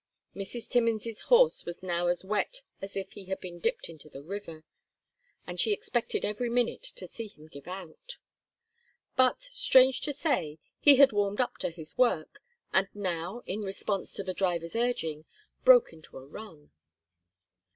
Mrs. Timmins's horse was now as wet as if he had been dipped into the river, and she expected every minute to see him give out; but, strange to say, he had warmed up to his work, and now, in response to the driver's urging, broke into a run.